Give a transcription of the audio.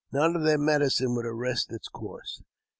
None of their medicine would arrest its course.